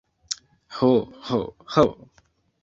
Ho, ho, ho!